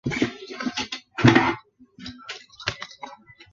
帕诺拉马是巴西圣保罗州的一个市镇。